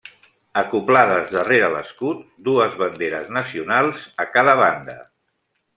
Acoblades darrere l'escut, dues banderes nacionals a cada banda.